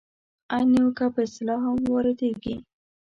عین نیوکه پر اصطلاح هم واردېږي.